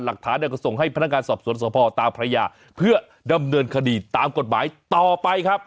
หลักฐานก็ส่งให้พนักงานสอบสวนสภตาพระยาเพื่อดำเนินคดีตามกฎหมายต่อไปครับ